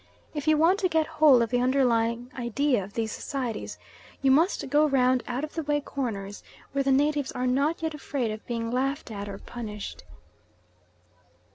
If you want to get hold of the underlying idea of these societies you must go round out of the way corners where the natives are not yet afraid of being laughed at or punished.